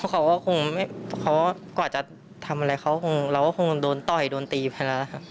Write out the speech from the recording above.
เขาก็คงกว่าจะทำอะไรเขาคงเราก็คงโดนต่อยโดนตีไปแล้วนะครับ